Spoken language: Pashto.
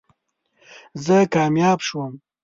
زه کامیاب شوم